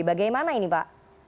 bagaimana ini pak